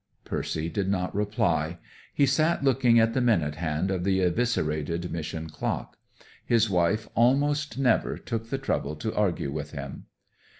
Percy did not reply. He sat looking at the minute hand of the eviscerated Mission clock. His wife almost never took the trouble to argue with him.